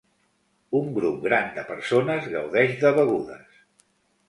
Un grup gran de persones gaudeix de begudes.